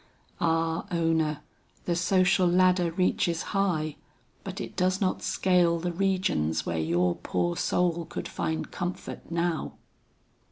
Ah, Ona, the social ladder reaches high, but it does not scale the regions where your poor soul could find comfort now.